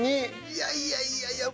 いやいやいやいや。